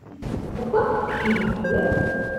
Pourquoi ? je vais vous le dire.